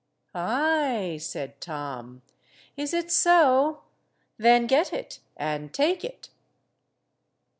"Ay!" said Tom. "Is it so? Then get it and take it."